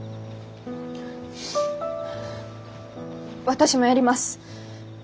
私もやります。